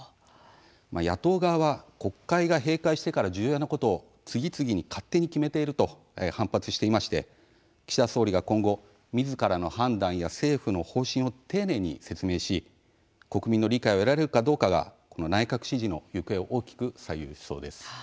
野党側は、国会が閉会してから重要なことを次々に勝手に決めていると反発していまして岸田総理が今後みずからの判断や政府の方針を丁寧に説明し国民の理解を得られるかどうかがこの内閣支持の行方を大きく左右しそうです。